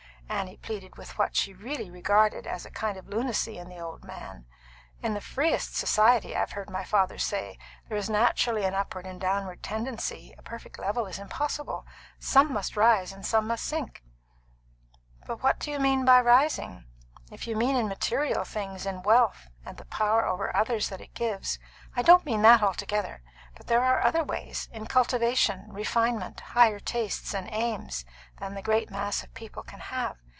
Annie pleaded with what she really regarded as a kind of lunacy in the good man. "In the freest society, I've heard my father say, there is naturally an upward and downward tendency; a perfect level is impossible. Some must rise, and some must sink." "But what do you mean by rising? If you mean in material things, in wealth and the power over others that it gives " "I don't mean that altogether. But there are other ways in cultivation, refinement, higher tastes and aims than the great mass of people can have.